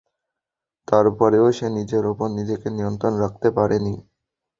তারপরেও সে নিজের উপর নিজকে নিয়ন্ত্রণ রাখতে পারেনি।